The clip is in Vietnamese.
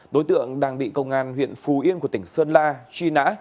đối tượng đang bị công an huyện phù yên tp sơn la truy nã